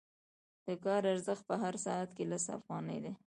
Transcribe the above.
د کار ارزښت په هر ساعت کې لس افغانۍ دی